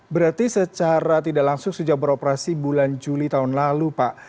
berarti secara tidak langsung sejak beroperasi bulan juli tahun lalu pak